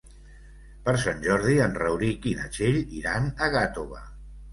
Per Sant Jordi en Rauric i na Txell iran a Gàtova.